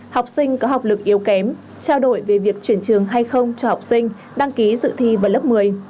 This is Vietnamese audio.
học sinh có học lực yếu kém trao đổi về việc chuyển trường hay không cho học sinh đăng ký dự thi vào lớp một mươi